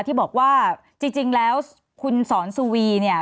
ที่บอกว่าจริงแล้วคุณสอนสุวีเนี่ย